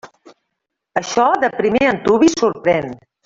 Això de primer antuvi sorprèn.